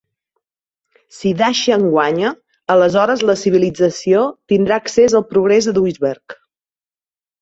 Si Dashian guanya, aleshores la civilització tindrà accés al progrés a Duisberg.